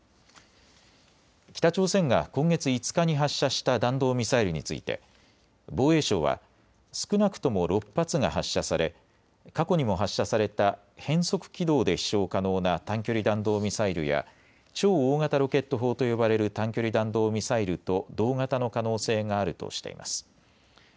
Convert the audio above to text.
北朝鮮が今月５日に発射した弾道ミサイルについて防衛省は少なくとも６発が発射され過去にも発射された変則軌道で飛しょう可能な短距離弾道ミサイルや超大型ロケット砲と呼ばれる短距離弾道ミサイルと同型の可能性があるとしています。